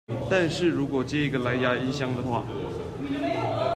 但是如果接一個藍芽音箱的話